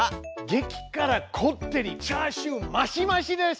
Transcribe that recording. げきからこってりチャーシュー増し増しです！